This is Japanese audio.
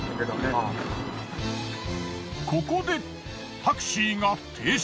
ここでタクシーが停車。